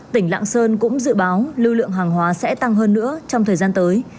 tỉnh lạng sơn cũng dự báo lưu lượng hàng hóa sẽ tăng hơn nữa trong thời gian tới